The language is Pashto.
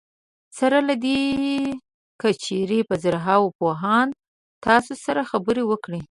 سره له دې که چېرې په زرهاوو پوهان تاسو سره خبرې وکړي.